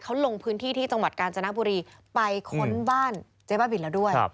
เขาลงพื้นที่ที่จังหวัดกาญจนบุรีไปค้นบ้านเจ๊บ้าบินแล้วด้วย